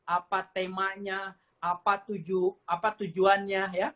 apa temanya apa tujuannya